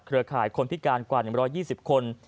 ข่ายคนพิการกว่า๑๒๐คน